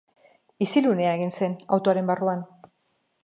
Isilunea egin zen autoaren barruan.